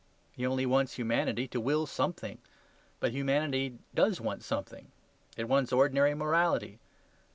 He only wants humanity to want something. But humanity does want something. It wants ordinary morality.